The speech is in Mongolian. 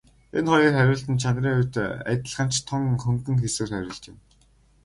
Энэ хоёр хариулт нь чанарын хувьд адилхан ч тун хөнгөн хийсвэр хариулт юм.